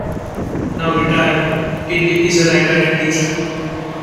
Now retired, Tinley is a writer and teacher.